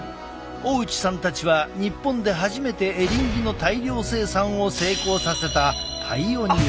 大内さんたちは日本で初めてエリンギの大量生産を成功させたパイオニア。